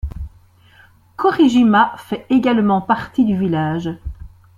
Kōri-jima fait également partie du village.